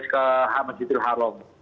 ke hamadzitul haram